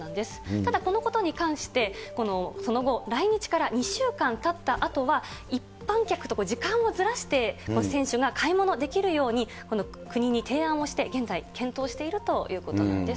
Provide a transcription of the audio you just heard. ただこのことに関して、その後、来日から２週間たったあとは、一般客と時間をずらして選手が買い物できるように国に提案をして、現在検討しているということなんです。